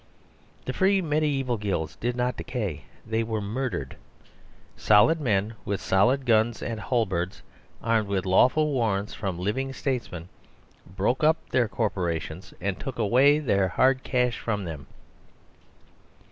The free mediaeval guilds did not decay; they were murdered. Solid men with solid guns and halberds, armed with lawful warrants from living statesmen broke up their corporations and took away their hard cash from them.